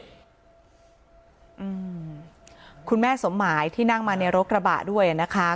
อืมคุณแม่สมหมายที่นั่งมาในรถกระบะด้วยนะคะ